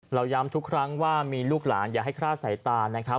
ย้ำทุกครั้งว่ามีลูกหลานอย่าให้คลาดสายตานะครับ